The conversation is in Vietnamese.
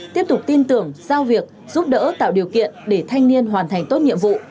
tiếp tục tin tưởng giao việc giúp đỡ tạo điều kiện để thanh niên hoàn thành tốt nhiệm vụ